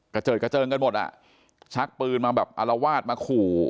เจิดกระเจิงกันหมดอ่ะชักปืนมาแบบอารวาสมาขู่